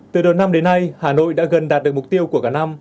từ đầu năm đến nay hà nội đã gần đạt được mục tiêu của cả năm